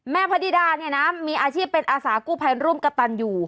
พระดิดาเนี่ยนะมีอาชีพเป็นอาสากู้ภัยร่วมกระตันอยู่